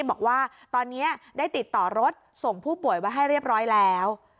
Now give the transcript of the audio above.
บอกว่าตอนนี้ได้ติดต่อรถส่งผู้ป่วยไว้ให้เรียบร้อยแล้ว